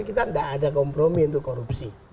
kita tidak ada kompromi untuk korupsi